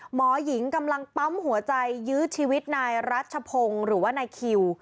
หมอหญิงกำลังปั๊มหัวใจยื้อชีวิตนายรัชพงศ์หรือว่านายคิว